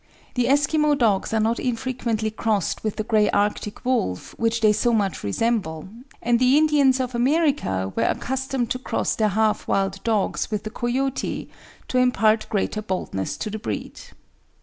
The Eskimo dogs are not infrequently crossed with the grey Arctic wolf, which they so much resemble, and the Indians of America were accustomed to cross their half wild dogs with the coyote to impart greater boldness to the breed.